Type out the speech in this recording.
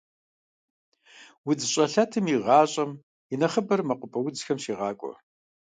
УдзщӀэлъэтым и гъащӀэм и нэхъыбэр мэкъупӀэ удзхэм щегъакӀуэ.